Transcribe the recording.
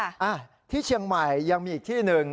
อ่ะที่เชียงใหม่ยังมีอีกที่หนึ่ง